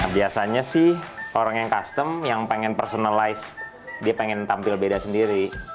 biasanya sih orang yang custom yang pengen personalize dia pengen tampil beda sendiri